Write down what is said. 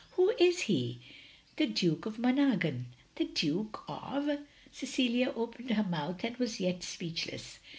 "Who is he?" " The Duke of Monaghan. " "The Duke of —!" Cecilia opened her mouth and was yet speechless.